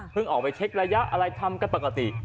ออกไปเช็กระยะอะไรทำกันปกติ